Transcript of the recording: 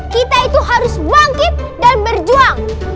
kita itu harus bangkit dan berjuang